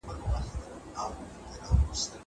زه پرون ونې ته اوبه ورکړې!